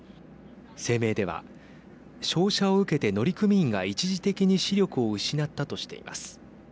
声明では照射を受けて乗組員が一時的に視力を失ったとしています。